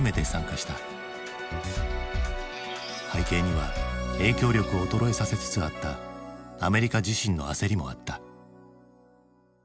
背景には影響力を衰えさせつつあったアメリカ自身の焦りもあった。